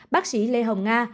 bác sĩ lê hồng nga